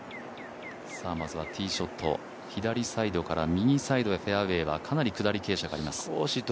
まずはティーショット、左サイドから右サイドにフェアウエーはかなり下り傾斜があります。